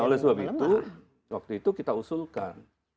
oleh sebab itu waktu itu kita usulkan